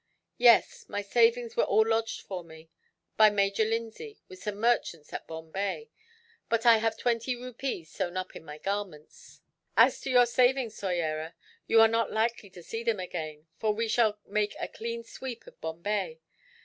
"Yes; my savings were all lodged for me, by Major Lindsay, with some merchants at Bombay; but I have twenty rupees sewn up in my garments." "As to your savings, Soyera, you are not likely to see them again, for we shall make a clean sweep of Bombay.